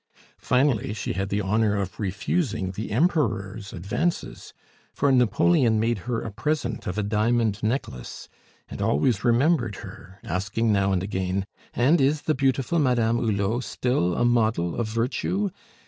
Finally, she had the honor of refusing the Emperor's advances, for Napoleon made her a present of a diamond necklace, and always remembered her, asking now and again, "And is the beautiful Madame Hulot still a model of virtue?"